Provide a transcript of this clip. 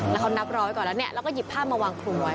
แล้วเขานับร้อยก่อนแล้วเนี่ยแล้วก็หยิบผ้ามาวางคลุมไว้